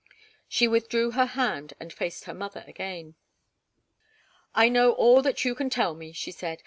She withdrew her hand and faced her mother again. "I know all that you can tell me," she said.